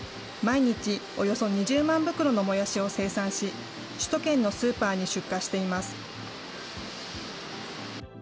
毎日およそ２０万袋のもやしを生産し、首都圏のスーパーに出荷しています。